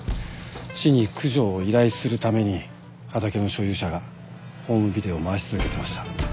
市に駆除を依頼するために畑の所有者がホームビデオを回し続けてました。